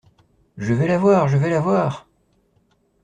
Je vais l’avoir, je vais l’avoir!